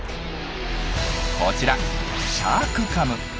こちら「シャークカム」。